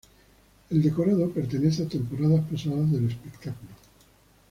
El decorado pertenece a temporadas pasadas del espectáculo.